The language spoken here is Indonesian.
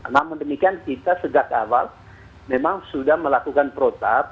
namun demikian kita sejak awal memang sudah melakukan protap